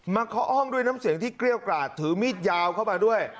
เคาะอ้อมด้วยน้ำเสียงที่เกรี้ยวกราดถือมีดยาวเข้ามาด้วย